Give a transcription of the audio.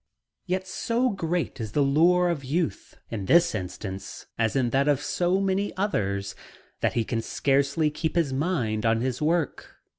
Yet so great is the lure of youth in this instance, as in that of so many others, that he can scarcely keep his mind on his work.